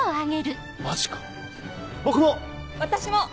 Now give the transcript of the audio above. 私も。